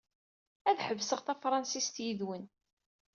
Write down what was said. Ad ḥebseɣ tafṛansit yid-wen.